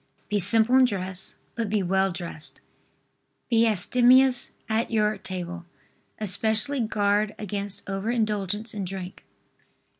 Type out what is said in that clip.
Be simple in dress, but be well dressed. Be abstemious at your table. Especially guard against over indulgence in drink.